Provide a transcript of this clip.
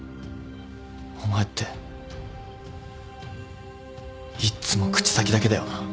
お前っていっつも口先だけだよな。